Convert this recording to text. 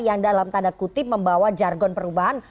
yang dalam tanda kutip membawa jargon perubahan